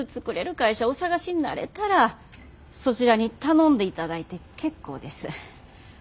会社お探しになれたらそちらに頼んでいただいて結構です。